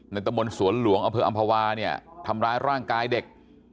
ในตะมนต์สวนหลวงอเผืออัมพวาเนี่ยทำร้ายร่างกายเด็ก